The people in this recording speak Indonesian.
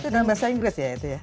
itu dalam bahasa inggris ya itu ya